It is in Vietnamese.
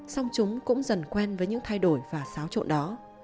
song chúng cũng dần quen với những thay đổi và xáo trộn đó